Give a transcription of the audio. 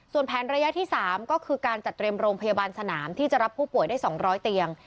ส่วนแผนระยะที่๓ก็คือการจัดเตรียมโรงพยาบาลสนามที่จะรับผู้ป่วยได้๒๐๐เตียง